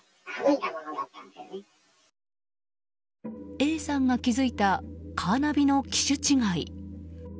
Ａさんが気付いたカーナビの機種違い。